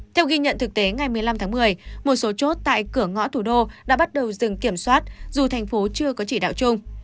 theo ghi nhận thực tế ngày một mươi năm tháng một mươi một số chốt tại cửa ngõ thủ đô đã bắt đầu dừng kiểm soát dù thành phố chưa có chỉ đạo chung